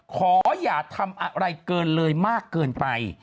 ขออย่าทำอะไรเกินเลยมากเกินไป